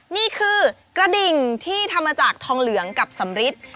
นี่คือกระดิ่งที่ทำมาจากทองเหลืองกับสำริท